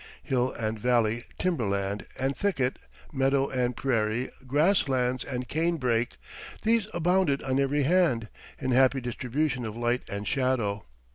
Hill and valley, timberland and thicket, meadow and prairie, grasslands and cane brake these abounded on every hand, in happy distribution of light and shadow.